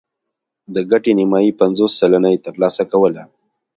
د ګټې نیمايي پنځوس سلنه یې ترلاسه کوله